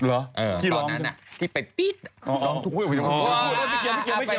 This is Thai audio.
ตอนนั้นน่ะที่ไปปี๊บร้องทุกคืน